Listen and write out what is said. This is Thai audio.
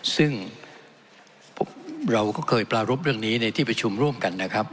ซึ่งเราก็เคยปรารบเรื่องนี้ในที่ประชุมร่วมกันนะครับ